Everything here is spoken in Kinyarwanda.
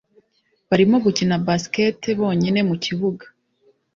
barimo gukina basket bonyine mukibuga